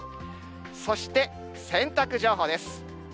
そして、洗濯情報です。